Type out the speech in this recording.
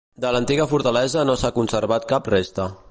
De l'antiga fortalesa no s'ha conservat cap resta.